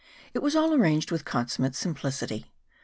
It was all arranged with consummate simplicity.